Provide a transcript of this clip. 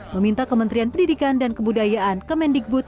meminta kementerian pendidikan dan kebudayaan kemendikbud